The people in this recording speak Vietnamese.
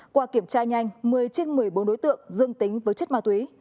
qua kiểm tra nhanh một mươi trên một mươi bốn đối tượng dương tính với chất ma túy